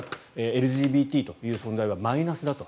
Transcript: ＬＧＢＴという存在はマイナスだと。